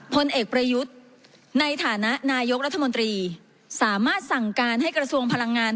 พลเอกประยุทธ์ในฐานะนายกรัฐมนตรีสามารถสั่งการให้กระทรวงพลังงาน